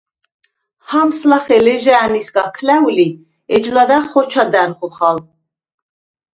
ჰამს ლახე ლეჟა̄̈ნისგა ქლა̈ვ ლი, ეჯ ლადა̈ღ ხოჩა და̄̈რ ხოხალ.